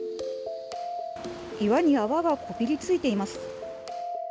岩に泡がへばりついています。